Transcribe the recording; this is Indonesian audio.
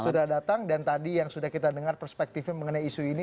sudah datang dan tadi yang sudah kita dengar perspektifnya mengenai isu ini